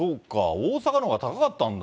大阪のほうが高かったんだ。